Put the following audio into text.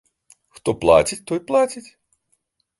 Хто плаціць, той плаціць.